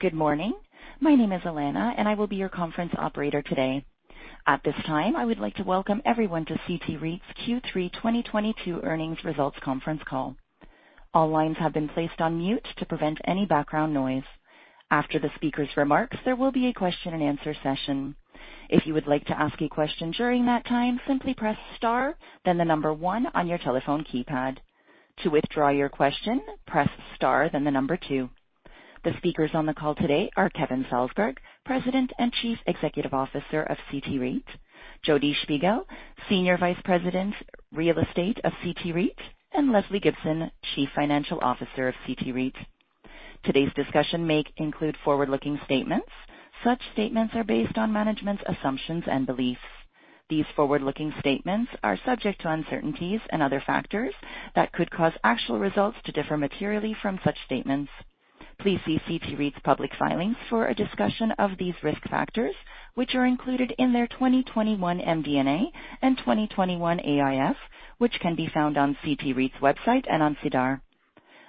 Good morning. My name is Elena, and I will be your conference operator today. At this time, I would like to welcome everyone to CT REIT's Q3 2022 earnings results conference call. All lines have been placed on mute to prevent any background noise. After the speaker's remarks, there will be a question-and-answer session. If you would like to ask a question during that time, simply press star then the number one on your telephone keypad. To withdraw your question, press star then the number two. The speakers on the call today are Kevin Salsberg, President and Chief Executive Officer of CT REIT, Jodi Shpigel, Senior Vice President, Real Estate of CT REIT, and Lesley Gibson, Chief Financial Officer of CT REIT. Today's discussion may include forward-looking statements. Such statements are based on management's assumptions and beliefs. These forward-looking statements are subject to uncertainties and other factors that could cause actual results to differ materially from such statements. Please see CT REIT's public filings for a discussion of these risk factors, which are included in their 2021 MD&A and 2021 AIF, which can be found on CT REIT's website and on SEDAR.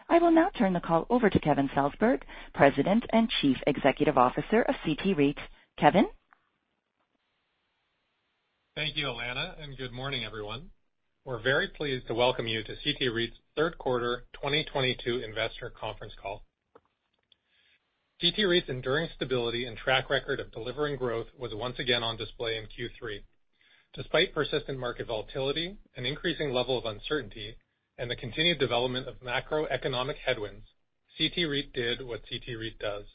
I will now turn the call over to Kevin Salsberg, President and Chief Executive Officer of CT REIT. Kevin? Thank you, Elena, and good morning, everyone. We're very pleased to welcome you to CT REIT's third quarter 2022 investor conference call. CT REIT's enduring stability and track record of delivering growth was once again on display in Q3. Despite persistent market volatility, an increasing level of uncertainty, and the continued development of macroeconomic headwinds, CT REIT did what CT REIT does.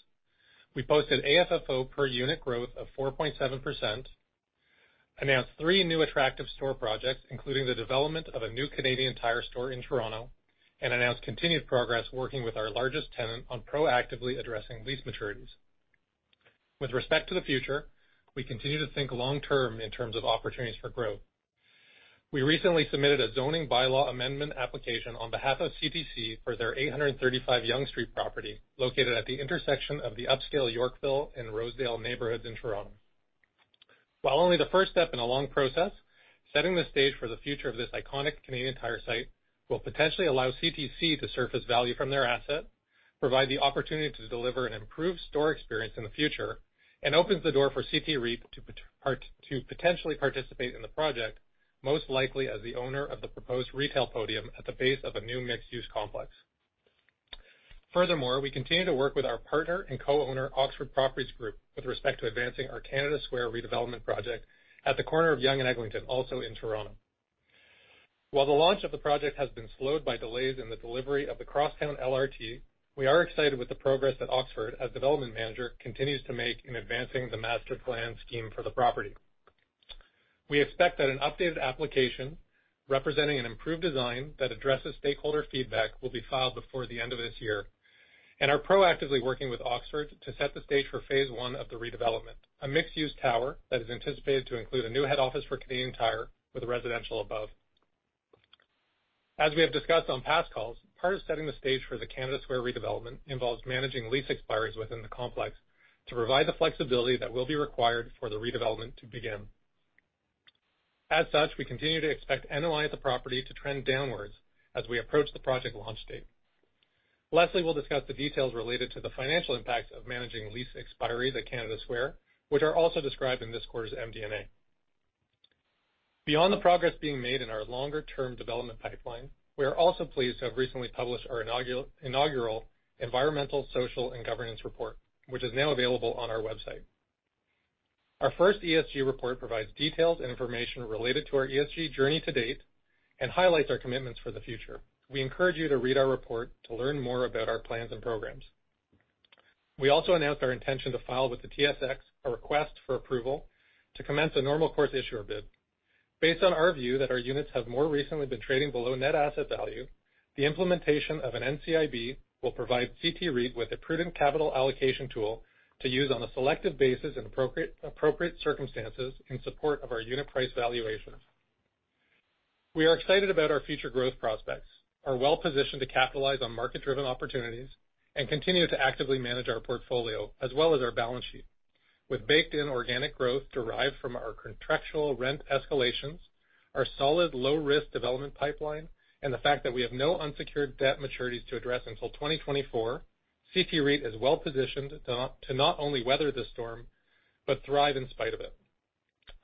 We posted AFFO per unit growth of 4.7%, announced three new attractive store projects, including the development of a new Canadian Tire store in Toronto, and announced continued progress working with our largest tenant on proactively addressing lease maturities. With respect to the future, we continue to think long term in terms of opportunities for growth. We recently submitted a zoning bylaw amendment application on behalf of CTC for their 835 Yonge Street property, located at the intersection of the upscale Yorkville and Rosedale neighborhoods in Toronto. While only the first step in a long process, setting the stage for the future of this iconic Canadian Tire site will potentially allow CTC to surface value from their asset, provide the opportunity to deliver an improved store experience in the future, and opens the door for CT REIT to potentially participate in the project, most likely as the owner of the proposed retail podium at the base of a new mixed-use complex. Furthermore, we continue to work with our partner and co-owner, Oxford Properties Group, with respect to advancing our Canada Square redevelopment project at the corner of Yonge and Eglinton, also in Toronto. While the launch of the project has been slowed by delays in the delivery of the Eglinton Crosstown LRT, we are excited with the progress at Oxford Properties, as development manager, continues to make in advancing the master plan scheme for the property. We expect that an updated application representing an improved design that addresses stakeholder feedback will be filed before the end of this year, and are proactively working with Oxford Properties to set the stage for phase one of the redevelopment, a mixed-use tower that is anticipated to include a new head office for Canadian Tire with residential above. As we have discussed on past calls, part of setting the stage for the Canada Square redevelopment involves managing lease expiries within the complex to provide the flexibility that will be required for the redevelopment to begin. As such, we continue to expect NOI at the property to trend downwards as we approach the project launch date. Leslie will discuss the details related to the financial impact of managing lease expiries at Canada Square, which are also described in this quarter's MD&A. Beyond the progress being made in our longer-term development pipeline, we are also pleased to have recently published our inaugural environmental, social, and governance report, which is now available on our website. Our first ESG report provides details and information related to our ESG journey to date and highlights our commitments for the future. We encourage you to read our report to learn more about our plans and programs. We also announced our intention to file with the TSX a request for approval to commence a normal course issuer bid. Based on our view that our units have more recently been trading below net asset value, the implementation of an NCIB will provide CT REIT with a prudent capital allocation tool to use on a selective basis in appropriate circumstances in support of our unit price valuations. We are excited about our future growth prospects, are well positioned to capitalize on market-driven opportunities, and continue to actively manage our portfolio as well as our balance sheet. With baked-in organic growth derived from our contractual rent escalations, our solid low-risk development pipeline, and the fact that we have no unsecured debt maturities to address until 2024, CT REIT is well positioned to not only weather this storm but thrive in spite of it.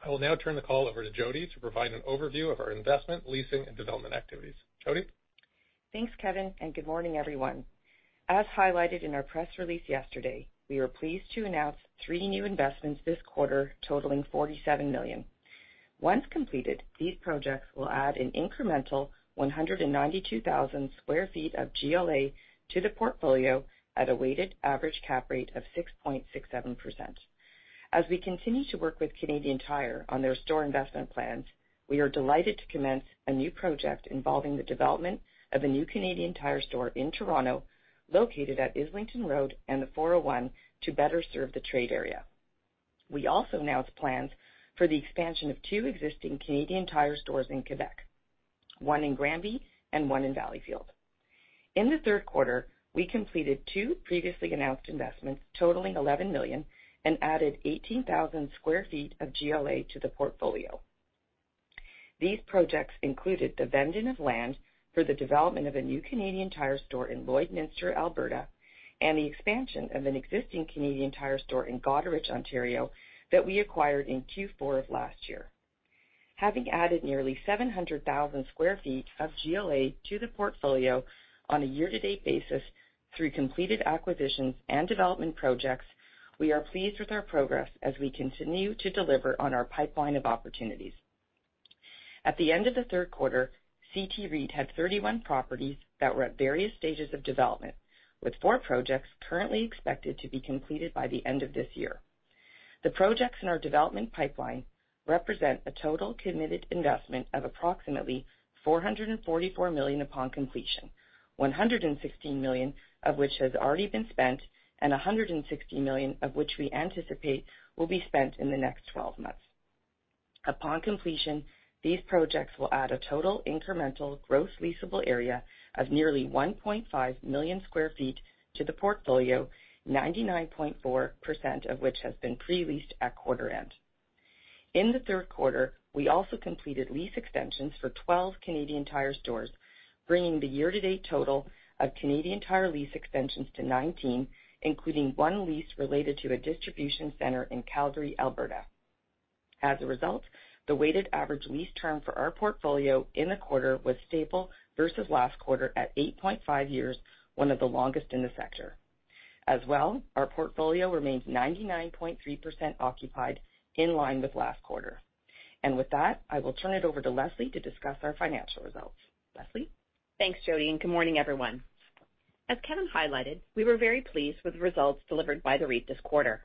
I will now turn the call over to Jodi to provide an overview of our investment, leasing, and development activities. Jodi? Thanks, Kevin, and good morning, everyone. As highlighted in our press release yesterday, we are pleased to announce three new investments this quarter totaling 47 million. Once completed, these projects will add an incremental 192,000 square feet of GLA to the portfolio at a weighted average cap rate of 6.67%. As we continue to work with Canadian Tire on their store investment plans, we are delighted to commence a new project involving the development of a new Canadian Tire store in Toronto located at Islington Avenue and the 401 to better serve the trade area. We also announced plans for the expansion of two existing Canadian Tire stores in Quebec, one in Granby and one in Salaberry-de-Valleyfield. In the third quarter, we completed two previously announced investments totaling 11 million and added 18,000 sq ft of GLA to the portfolio. These projects included the acquisition of land for the development of a new Canadian Tire store in Lloydminster, Alberta, and the expansion of an existing Canadian Tire store in Goderich, Ontario, that we acquired in Q4 of last year. Having added nearly 700,000 sq ft of GLA to the portfolio on a year-to-date basis through completed acquisitions and development projects, we are pleased with our progress as we continue to deliver on our pipeline of opportunities. At the end of the third quarter, CT REIT had 31 properties that were at various stages of development, with 4 projects currently expected to be completed by the end of this year. The projects in our development pipeline represent a total committed investment of approximately 444 million upon completion, 116 million of which has already been spent and 160 million of which we anticipate will be spent in the next twelve months. Upon completion, these projects will add a total incremental gross leasable area of nearly 1.5 million sq ft to the portfolio, 99.4% of which has been pre-leased at quarter end. In the third quarter, we also completed lease extensions for 12 Canadian Tire stores, bringing the year-to-date total of Canadian Tire lease extensions to 19, including one lease related to a distribution center in Calgary, Alberta. As a result, the weighted average lease term for our portfolio in the quarter was stable versus last quarter at 8.5 years, one of the longest in the sector. As well, our portfolio remains 99.3% occupied in line with last quarter. With that, I will turn it over to Lesley to discuss our financial results. Lesley? Thanks, Jodi, and good morning, everyone. As Kevin highlighted, we were very pleased with the results delivered by the REIT this quarter.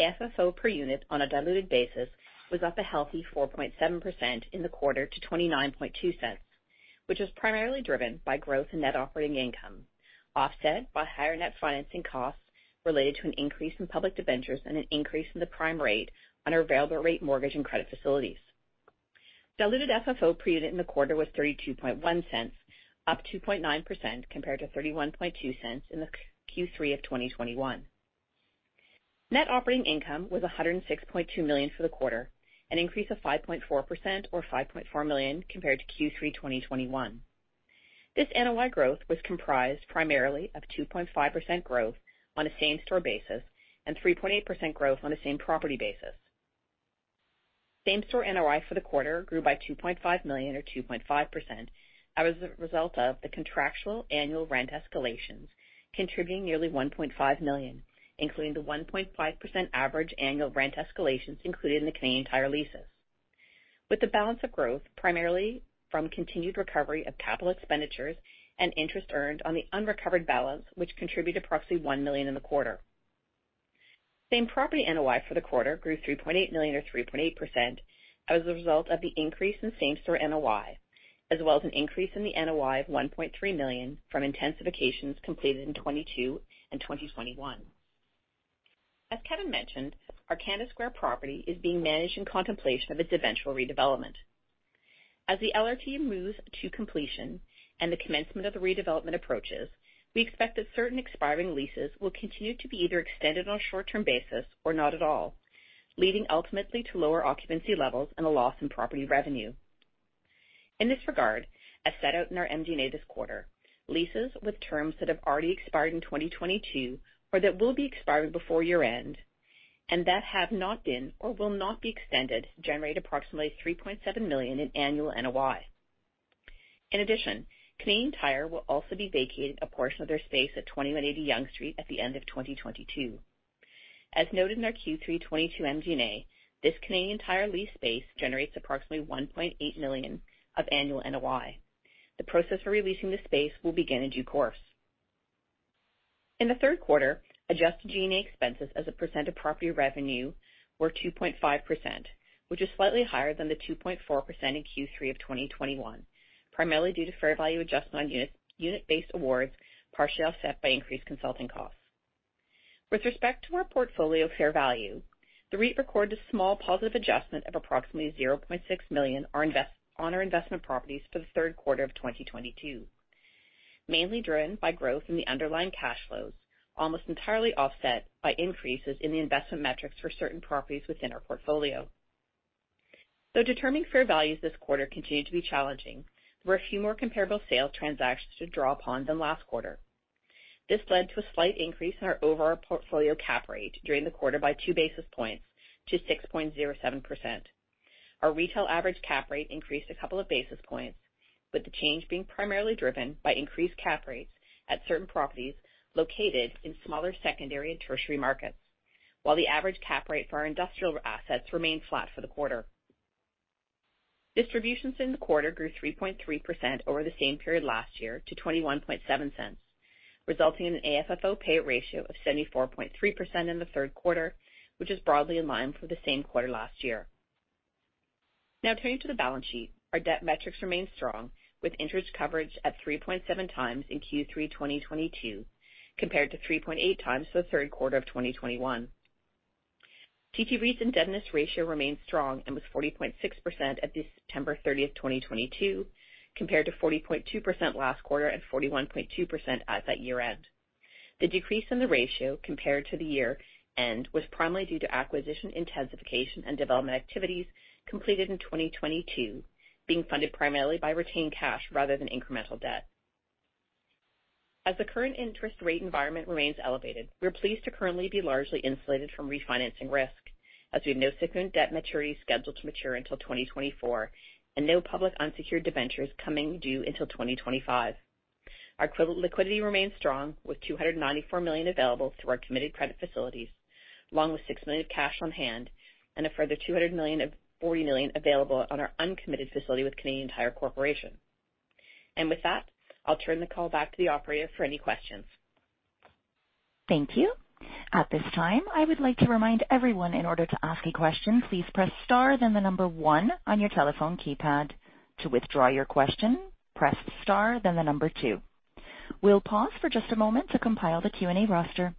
FFO per unit on a diluted basis was up a healthy 4.7% in the quarter to 0.292, which was primarily driven by growth in net operating income, offset by higher net financing costs related to an increase in public debentures and an increase in the prime rate on our available rate mortgage and credit facilities. Diluted FFO per unit in the quarter was 0.321, up 2.9% compared to 0.312 in the Q3 of 2021. Net operating income was 106.2 million for the quarter, an increase of 5.4% or 5.4 million compared to Q3 2021. This NOI growth was comprised primarily of 2.5% growth on a same-store basis and 3.8% growth on a same-property basis. Same-store NOI for the quarter grew by 2.5 million or 2.5% as a result of the contractual annual rent escalations, contributing nearly 1.5 million, including the 1.5% average annual rent escalations included in the Canadian Tire leases. With the balance of growth, primarily from continued recovery of capital expenditures and interest earned on the unrecovered balance, which contributed approximately 1 million in the quarter. Same-property NOI for the quarter grew 3.8 million or 3.8% as a result of the increase in same-store NOI, as well as an increase in the NOI of 1.3 million from intensifications completed in 2022 and 2021. As Kevin mentioned, our Canada Square property is being managed in contemplation of its eventual redevelopment. As the LRT moves to completion and the commencement of the redevelopment approaches, we expect that certain expiring leases will continue to be either extended on a short-term basis or not at all, leading ultimately to lower occupancy levels and a loss in property revenue. In this regard, as set out in our MD&A this quarter, leases with terms that have already expired in 2022 or that will be expiring before year-end and that have not been or will not be extended, generate approximately 3.7 million in annual NOI. In addition, Canadian Tire will also be vacating a portion of their space at 2180 Yonge Street at the end of 2022. As noted in our Q3 2022 MD&A, this Canadian Tire lease space generates approximately 1.8 million of annual NOI. The process for releasing the space will begin in due course. In the third quarter, adjusted G&A expenses as a percent of property revenue were 2.5%, which is slightly higher than the 2.4% in Q3 of 2021, primarily due to fair value adjustment on unit-based awards, partially offset by increased consulting costs. With respect to our portfolio fair value, the REIT recorded a small positive adjustment of approximately 0.6 million on our investment properties for the third quarter of 2022, mainly driven by growth in the underlying cash flows, almost entirely offset by increases in the investment metrics for certain properties within our portfolio. Though determining fair values this quarter continued to be challenging, there were a few more comparable sales transactions to draw upon than last quarter. This led to a slight increase in our overall portfolio cap rate during the quarter by 2 basis points to 6.07%. Our retail average cap rate increased a couple of basis points, with the change being primarily driven by increased cap rates at certain properties located in smaller secondary and tertiary markets, while the average cap rate for our industrial assets remained flat for the quarter. Distributions in the quarter grew 3.3% over the same period last year to 0.217, resulting in an AFFO payout ratio of 74.3% in the third quarter, which is broadly in line for the same quarter last year. Now turning to the balance sheet. Our debt metrics remain strong, with interest coverage at 3.7 times in Q3 2022 compared to 3.8 times for the third quarter of 2021. CT REIT's indebtedness ratio remains strong and was 40.6% at December 30, 2022 compared to 40.2% last quarter and 41.2% as at year-end. The decrease in the ratio compared to the year end was primarily due to acquisition intensification and development activities completed in 2022 being funded primarily by retained cash rather than incremental debt. As the current interest rate environment remains elevated, we're pleased to currently be largely insulated from refinancing risk as we have no secured debt maturity scheduled to mature until 2024 and no public unsecured debentures coming due until 2025. Our equivalent liquidity remains strong, with 294 million available through our committed credit facilities, along with 6 million of cash on hand and a further 40 million available on our uncommitted facility with Canadian Tire Corporation. With that, I'll turn the call back to the operator for any questions. Thank you. At this time, I would like to remind everyone in order to ask a question, please press star then 1 on your telephone keypad. To withdraw your question, press star then 2. We'll pause for just a moment to compile the Q&A roster.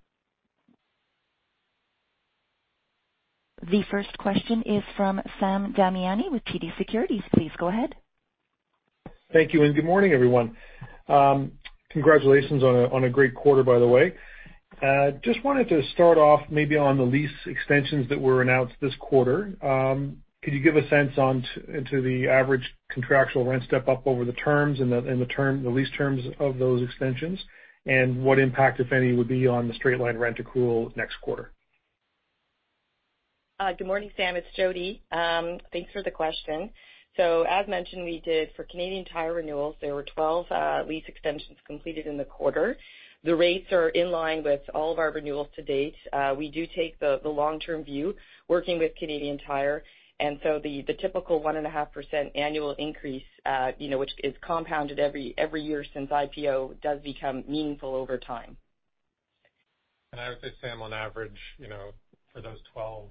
The first question is from Sam Damiani with TD Securities. Please go ahead. Thank you, and good morning, everyone. Congratulations on a great quarter, by the way. Just wanted to start off maybe on the lease extensions that were announced this quarter. Could you give a sense into the average contractual rent step up over the terms and the lease terms of those extensions, and what impact, if any, would be on the straight-line rent accrual next quarter? Good morning, Sam. It's Jodi. Thanks for the question. As mentioned, we did for Canadian Tire renewals, there were 12 lease extensions completed in the quarter. The rates are in line with all of our renewals to date. We do take the long-term view working with Canadian Tire, and the typical 1.5% annual increase, you know, which is compounded every year since IPO does become meaningful over time. I would say, Sam, on average, you know, for those 12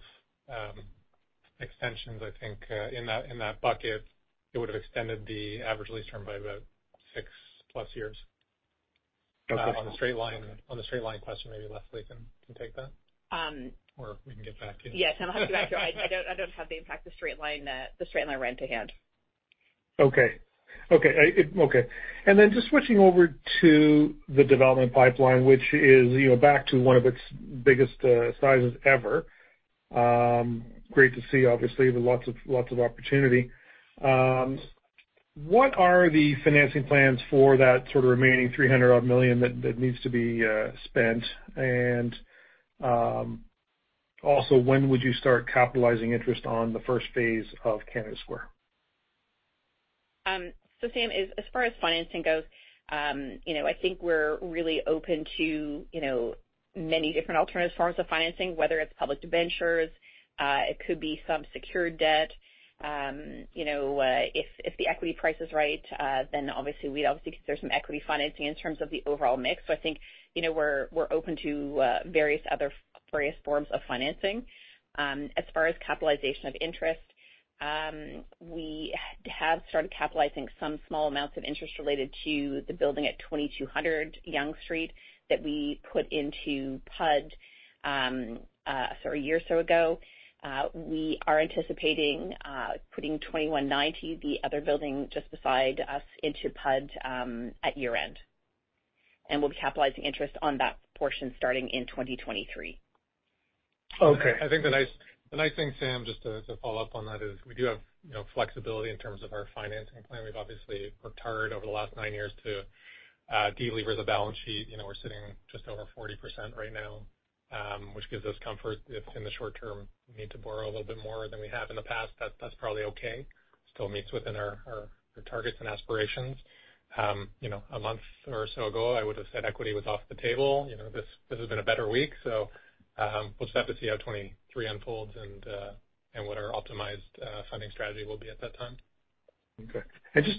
extensions, I think, in that bucket, it would have extended the average lease term by about 6+ years. Okay. On the straight line question, maybe Leslie can take that. Um- We can get back to you. Yes, I'll have to get back to you. I don't have the impact of straight-line rent to hand. Okay. Just switching over to the development pipeline, which is, you know, back to one of its biggest sizes ever. Great to see, obviously, with lots of opportunity. What are the financing plans for that sort of remaining 300-odd million that needs to be spent? Also, when would you start capitalizing interest on the first phase of Canada Square? Sam, as far as financing goes, you know, I think we're really open to, you know, many different alternative forms of financing, whether it's public debentures, it could be some secured debt. If the equity price is right, then obviously we'd consider some equity financing in terms of the overall mix. I think, you know, we're open to various forms of financing. As far as capitalization of interest, we have started capitalizing some small amounts of interest related to the building at 2200 Yonge Street that we put into PUD, sorry, a year or so ago. We are anticipating putting 2190, the other building just beside us, into PUD at year-end. We'll be capitalizing interest on that portion starting in 2023. Okay. I think the nice thing, Sam, just to follow up on that, is we do have, you know, flexibility in terms of our financing plan. We've obviously worked hard over the last nine years to de-lever the balance sheet. You know, we're sitting just over 40% right now, which gives us comfort if in the short term we need to borrow a little bit more than we have in the past. That's probably okay. Still meets within our targets and aspirations. You know, a month or so ago, I would have said equity was off the table. This has been a better week, so we'll just have to see how 2023 unfolds and what our optimized funding strategy will be at that time. Okay.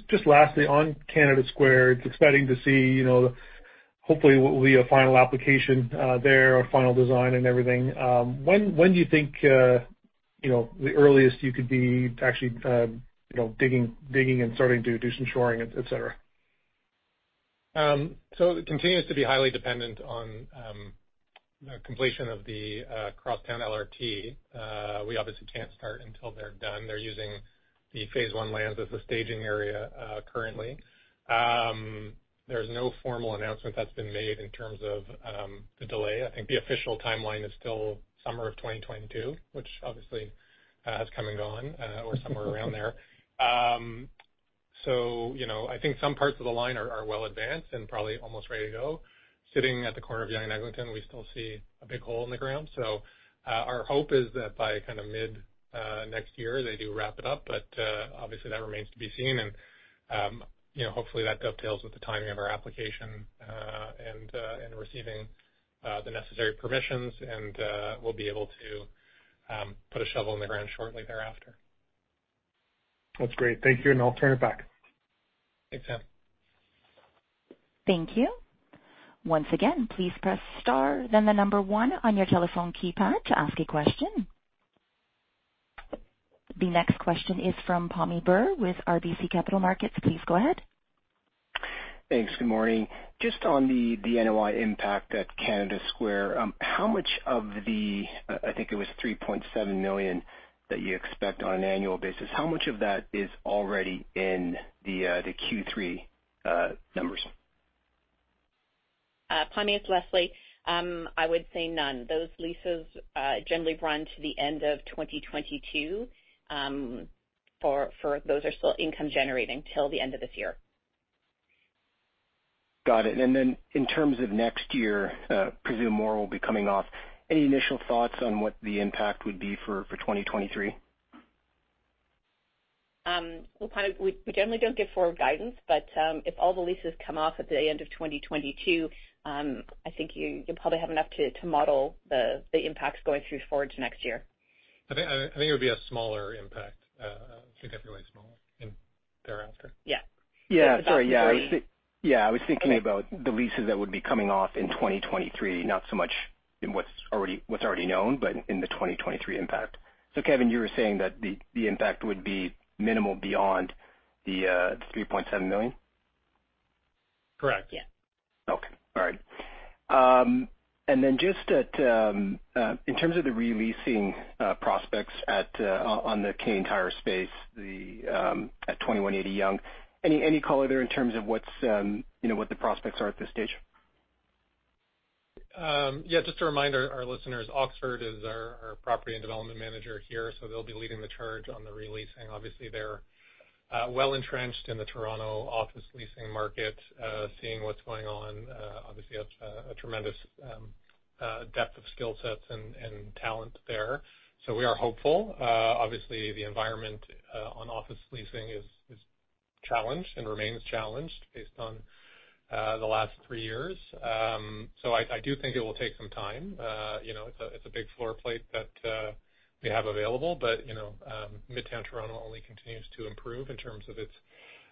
Just lastly, on Canada Square, it's exciting to see, you know, hopefully what will be a final application there, a final design and everything. When do you think, you know, the earliest you could be actually, you know, digging and starting to do some shoring, et cetera? It continues to be highly dependent on completion of the Crosstown LRT. We obviously can't start until they're done. They're using the phase one lands as the staging area currently. There's no formal announcement that's been made in terms of the delay. I think the official timeline is still summer of 2022, which obviously has come and gone or somewhere around there. You know, I think some parts of the line are well advanced and probably almost ready to go. Sitting at the corner of Yonge and Eglinton, we still see a big hole in the ground. Our hope is that by kind of mid next year, they do wrap it up. Obviously that remains to be seen. You know, hopefully, that dovetails with the timing of our application and receiving the necessary permissions, and we'll be able to put a shovel in the ground shortly thereafter. That's great. Thank you, and I'll turn it back. Thanks, Sam. Thank you. Once again, please press star then the number one on your telephone keypad to ask a question. The next question is from Pammi Bir with RBC Capital Markets. Please go ahead. Thanks. Good morning. Just on the NOI impact at Canada Square, how much of the, I think it was 3.7 million that you expect on an annual basis, how much of that is already in the Q3 numbers? Pammi, it's Lesley. I would say none. Those leases generally run to the end of 2022, for those are still income generating till the end of this year. Got it. In terms of next year, presume more will be coming off. Any initial thoughts on what the impact would be for 2023? We generally don't give forward guidance, but if all the leases come off at the end of 2022, I think you'll probably have enough to model the impacts going through forward to next year. I think it would be a smaller impact, significantly smaller thereafter. Yeah. Yeah. Sorry. Yeah. I was thinking about the leases that would be coming off in 2023, not so much in what's already known, but in the 2023 impact. Kevin, you were saying that the impact would be minimal beyond the 3.7 million? Correct. Yeah. Just in terms of the re-leasing prospects on the Canadian Tire space at 2180 Yonge. Any color there in terms of what's, you know, what the prospects are at this stage? Yeah, just to remind our listeners, Oxford is our property and development manager here, so they'll be leading the charge on the re-leasing. Obviously, they're well entrenched in the Toronto office leasing market, seeing what's going on. Obviously, a tremendous depth of skill sets and talent there. So we are hopeful. Obviously, the environment on office leasing is challenged and remains challenged based on the last three years. So I do think it will take some time. You know, it's a big floor plate that we have available. But you know, midtown Toronto only continues to improve in terms of its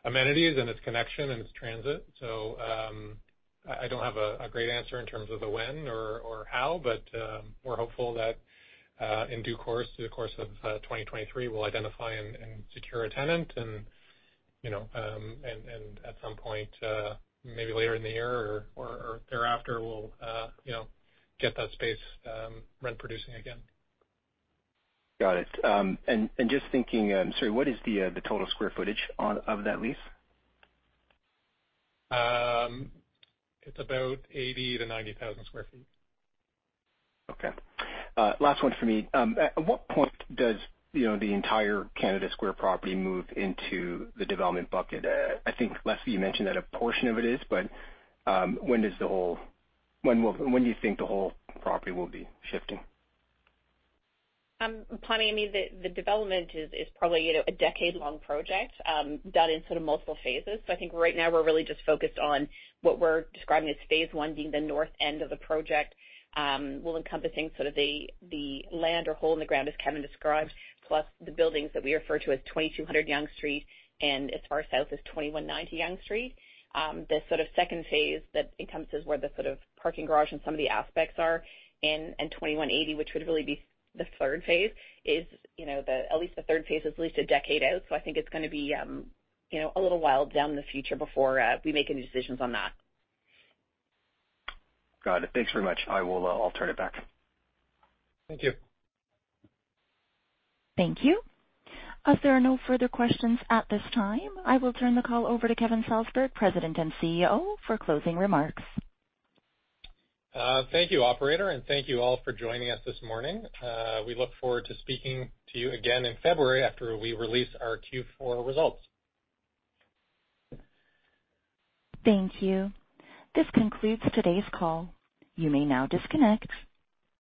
amenities and its connection and its transit. I don't have a great answer in terms of the when or how, but we're hopeful that in due course, through the course of 2023, we'll identify and secure a tenant and you know and at some point maybe later in the year or thereafter, we'll you know get that space rent producing again. Got it. Just thinking, sorry, what is the total square footage of that lease? It's about 80-90 thousand sq ft. Okay. Last one for me. At what point does, you know, the entire Canada Square property move into the development bucket? I think, Lesley, you mentioned that a portion of it is, but when do you think the whole property will be shifting? Pammi, I mean, the development is probably, you know, a decade-long project done in sort of multiple phases. I think right now we're really just focused on what we're describing as phase one being the north end of the project encompassing sort of the land or hole in the ground, as Kevin described, plus the buildings that we refer to as 2200 Yonge Street and as far south as 2190 Yonge Street. The sort of second phase that encompasses where the sort of parking garage and some of the aspects are in, and 2180, which would really be the third phase, you know, at least a decade out. I think it's gonna be, you know, a little while into the future before we make any decisions on that. Got it. Thanks very much. I'll turn it back. Thank you. Thank you. As there are no further questions at this time, I will turn the call over to Kevin Salsberg, President and CEO, for closing remarks. Thank you, operator, and thank you all for joining us this morning. We look forward to speaking to you again in February after we release our Q4 results. Thank you. This concludes today's call. You may now disconnect.